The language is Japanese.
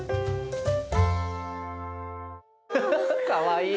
かわいい。